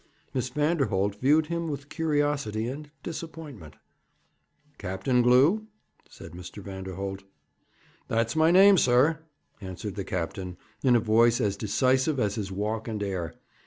Miss Vanderholt viewed him with curiosity and disappointment. 'Captain Glew?' said Mr. Vanderholt. 'That's my name, sir,' answered the captain, in a voice as decisive as his walk and air.